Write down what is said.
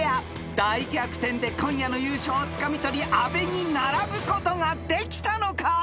［大逆転で今夜の優勝をつかみ取り阿部に並ぶことができたのか？］